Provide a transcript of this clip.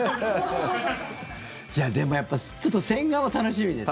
でも、やっぱりちょっと千賀は楽しみです。